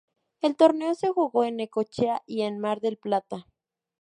El torneo se jugó en Necochea y en Mar del Plata.